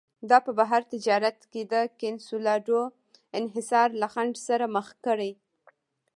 دا په بهر تجارت کې د کنسولاډو انحصار له خنډ سره مخ کړي.